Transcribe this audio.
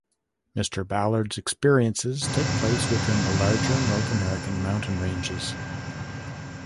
Mr. Ballard's experiences take place within the larger North American mountain ranges.